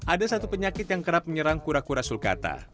ada satu penyakit yang kerap menyerang kura kura sulkata